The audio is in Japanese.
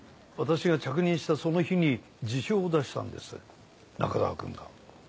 私が着任したその日に辞表を出したんです中沢くんが。